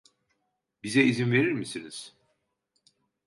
Bize izin verir misiniz?